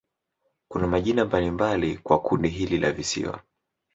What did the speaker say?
Kuna majina mbalimbali kwa kundi hili la visiwa.